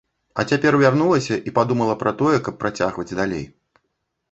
А цяпер вярнулася і падумала пра тое, каб працягваць далей.